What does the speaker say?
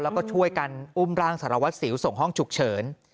แล้วก็ช่วยกันอุ้มร่างสารวัตรสิวส่งห้องฉุกเฉิน